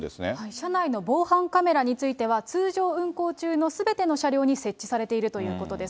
車内の防犯カメラについては、通常運行中のすべての車両に設置されているということです。